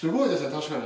確かに。